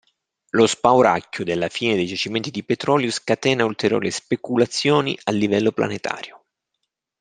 Lo spauracchio della fine dei giacimenti di petrolio scatena ulteriori speculazioni a livello planetario.